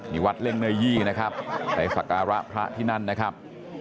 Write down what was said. นี่วัดเล่งเนยยี่นะครับไปสักการะพระที่นั่นนะครับ